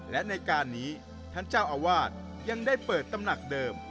และในการนี้ท่านเจ้าอาวาสยังได้เปิดตำหนักเดิม